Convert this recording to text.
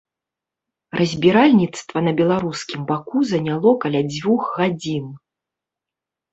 Разбіральніцтва на беларускім баку заняло каля дзвюх гадзін.